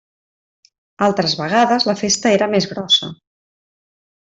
Altres vegades la festa era més grossa.